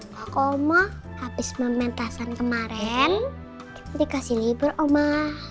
pak oma habis mementaskan kemarin kita dikasih libur oma